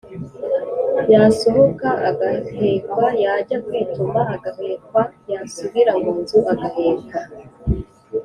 yasohoka agahekwa, yajya kwituma agahekwa, yasubira mu nzu agahekwa.